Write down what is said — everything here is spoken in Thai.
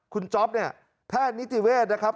คุณจ๊อปเนี่ยแพทย์นิติเวศนะครับ